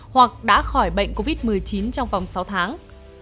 hoặc đã khỏi bệnh covid một mươi chín trong vòng sáu tháng